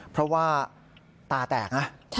เพราะว่าตาแตกนะ